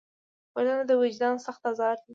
وژنه د وجدان سخت ازار دی